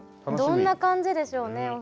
どんな感じでしょうね？